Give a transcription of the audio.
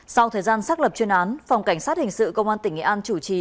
sau thời gian xác lập chuyên án phòng cảnh sát hình sự công an tỉnh nghệ an chủ trì